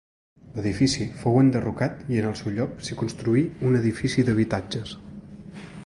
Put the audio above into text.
L’edifici fou enderrocat i en el seu lloc s'hi construí un edifici d’habitatges.